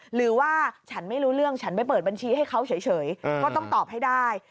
หรือว่าฉันไม่รู้เรื่องฉันไปเปิดบัญชีให้เขาเฉยก็ต้องตอบให้ได้